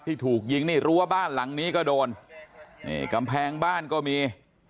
ที่ถูกยิงนี่รั้วบ้านหลังนี้ก็โดนนี่กำแพงบ้านก็มี